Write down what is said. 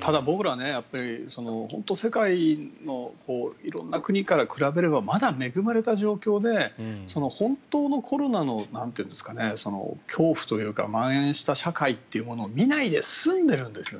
ただ、僕ら、本当世界の色んな国から比べればまだ恵まれた状況で本当のコロナの恐怖というかまん延した社会というものを見ないで済んでるんですよね。